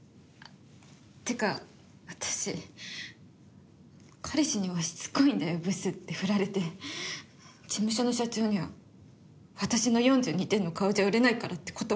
ってか私彼氏には「しつこいんだよブス」って振られて事務所の社長には私の４２点の顔じゃ売れないからって断られて。